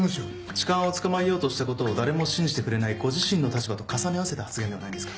痴漢を捕まえようとしたことを誰も信じてくれないご自身の立場と重ね合わせた発言ではないんですか。